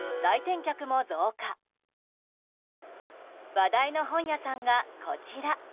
話題の本屋さんがこちら。